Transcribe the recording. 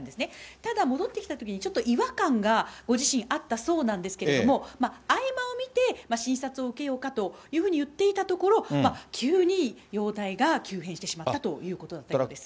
ただ、戻ってきたときにちょっと違和感がご自身あったそうなんですけれども、合間を見て診察を受けようかというふうに言っていたところ、急に容体が急変してしまったということらしいです。